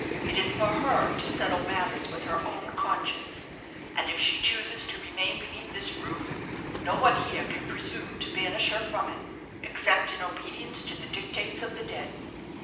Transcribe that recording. It is for her to settle matters with her own conscience; and if she chooses to remain beneath this roof, no one here can presume to banish her from it, except in obedience to the dictates of the dead."